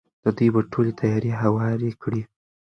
دوی به ټولې تیارې هوارې کړې وي.